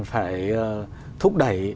phải thúc đẩy